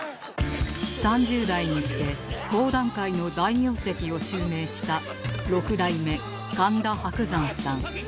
３０代にして講談界の大名跡を襲名した６代目神田伯山さん